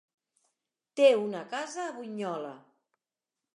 Té una casa a Bunyola.